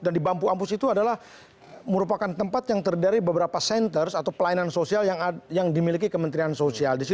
dan di bambu apus itu adalah merupakan tempat yang terdiri beberapa centers atau pelayanan sosial yang dimiliki kementerian sosial